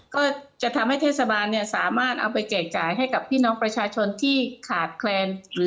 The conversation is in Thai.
ก็จะทำให้เทศบาลเนี่ยสามารถเอาไปแจกจ่ายให้กับพี่น้องประชาชนที่ขาดแคลน